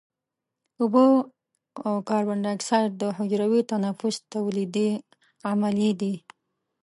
اوبه او کاربن دای اکساید د حجروي تنفس تولیدي عملیې دي.